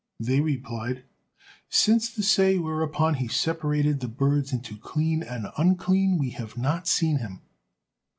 They replied, "Since the say whereupon he separated the birds into clean and unclean we have not seen him."